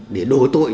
để đổ tội